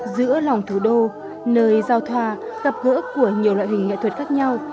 giữa lòng thủ đô nơi giao thoa gặp gỡ của nhiều loại hình nghệ thuật khác nhau